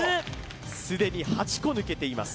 すでに８個抜けています